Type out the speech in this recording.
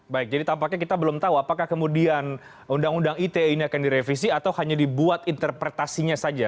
baik jadi tampaknya kita belum tahu apakah kemudian undang undang ite ini akan direvisi atau hanya dibuat interpretasinya saja